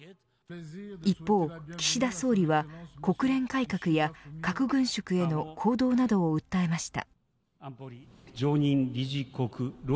一方、岸田総理は国連改革や核軍縮への行動などを訴えました。